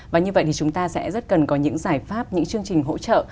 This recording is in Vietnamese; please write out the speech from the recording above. và như vậy thì chúng ta sẽ rất cần có những giải pháp những chương trình hỗ trợ